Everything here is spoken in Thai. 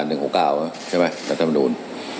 ใช่ไหมกับท่านบรรดูน